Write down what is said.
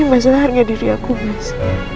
masalah harga diri aku mas